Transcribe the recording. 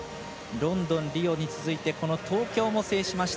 ロンドン、リオに続いて東京も制しました。